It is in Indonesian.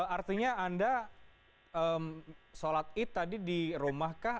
artinya anda sholat idul fitri tadi di rumahkah